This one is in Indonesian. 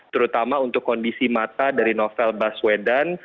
terutama untuk kondisi mata dari novel baswedan